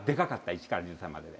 １から１３までで。